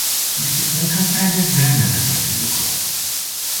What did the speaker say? Este încă prea devreme pentru acest lucru.